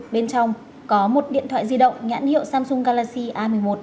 bên trong có một điện thoại di động nhãn hiệu samsung galaxy a một mươi một